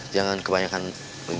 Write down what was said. jangan kebanyakan bengkak bro